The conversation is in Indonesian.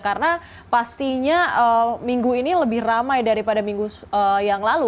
karena pastinya minggu ini lebih ramai daripada minggu yang lalu